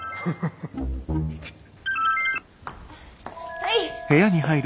はい。